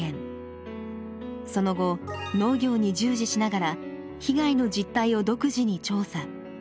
その後農業に従事しながら被害の実態を独自に調査。